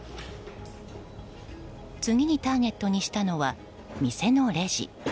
次にターゲットにしたのは店のレジ。